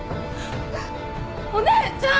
お姉ちゃん！